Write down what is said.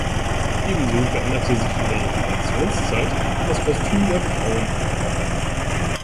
Ebenso veränderte sich in der Reformationszeit das Kostüm der Frauen.